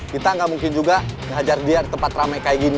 kita nggak mungkin juga ngajar dia di tempat ramai kayak gini